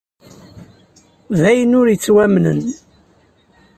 D ayen ur yettwamnen!